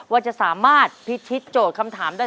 ว่าจะสามารถพิชิตโจทย์คำถามได้